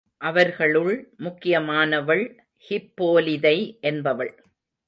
அவர்களுள் முக்கியமானவள் ஹிப்போலிதை என்பவள்.